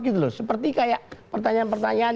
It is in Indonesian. gitu loh seperti kayak pertanyaan pertanyaan